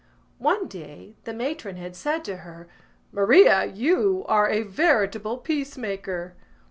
One day the matron had said to her: "Maria, you are a veritable peace maker!"